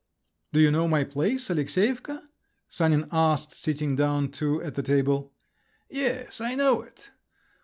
"Do you know my place, Aleksyevka?" Sanin asked, sitting down too at the table. "Yes, I know it."